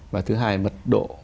và thứ hai mật độ